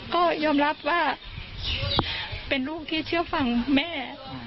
ก็ยอมรับว่าเป็นลูกที่เชื่อฟังแม่